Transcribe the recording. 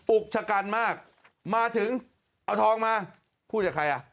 อุกชะกันมากมาถึงเอาทองมาพูดกับใครอ่ะ